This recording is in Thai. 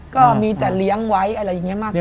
ก็มีแต่เลี้ยงไว้อะไรอย่างนี้มากกว่า